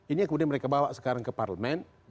ini kemudian mereka bawa sekarang ke parlement